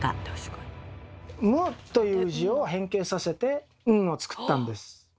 「無」という字を変形させて「ん」を作ったんです。